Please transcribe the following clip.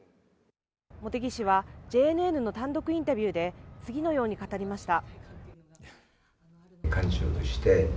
茂木氏はＪＮＮの単独インタビューで次のように語りました。